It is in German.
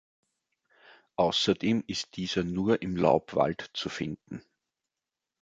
Außerdem ist dieser nur im Laubwald zu finden.